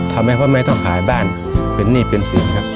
ทำให้พ่อแม่ต้องขายบ้านเป็นหนี้เป็นสินครับ